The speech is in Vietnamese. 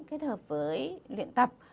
kết hợp với luyện tập